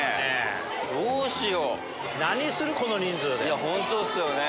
いやホントですよね。